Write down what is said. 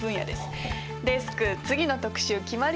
デスク次の特集決まりですね。